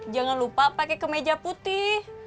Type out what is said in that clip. jangan lupa pakai kemeja putih